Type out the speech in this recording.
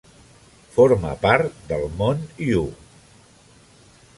Forma part del mont Yu.